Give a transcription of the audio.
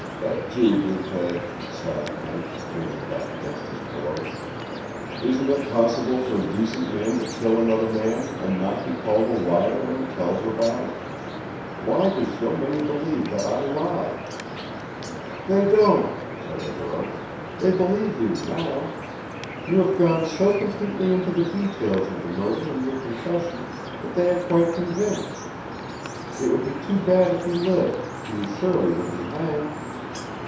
"Et tu, Brute!" sighed Kent, leaning back against his pillows. "Isn't it possible for a decent man to kill another man and not be called a liar when he tells about it? Why do so many believe that I lie?" "They don't," said the girl. "They believe you now. You have gone so completely into the details of the murder in your confession that they are quite convinced. It would be too bad if you lived, for you surely would be hanged.